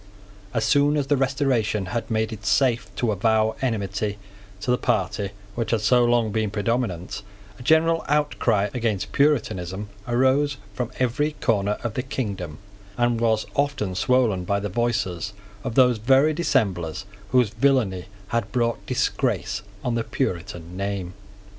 As soon as the Restoration had made it safe to avow enmity to the party which had so long been predominant, a general outcry against Puritanism rose from every corner of the kingdom, and was often swollen by the voices of those very dissemblers whose villany had brought disgrace on the Puritan name.